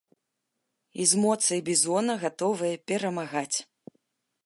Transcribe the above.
І з моцай бізона гатовыя перамагаць!